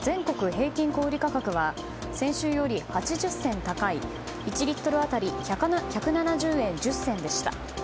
平均小売価格は先週より８０銭高い１リットル当たり１７０円１０銭でした。